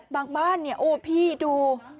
บ้านเนี่ยโอ้พี่ดู